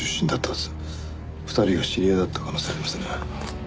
２人が知り合いだった可能性ありますね。